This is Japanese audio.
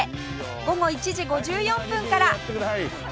午後１時５４分から